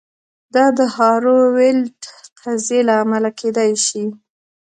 دا د هارو ویلډ قضیې له امله کیدای شي